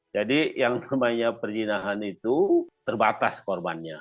jadi yang namanya perjinahan itu terbatas korbannya